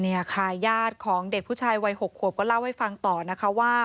เนี่ยค่ะญาติของเด็กผู้ชายวัย๖ขวบก็เล่าให้ฟังต่อนะคะว่า